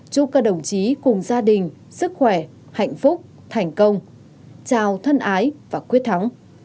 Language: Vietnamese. chúc các đồng chí cùng gia đình sức khỏe hạnh phúc thành công chào thân ái và quyết thắng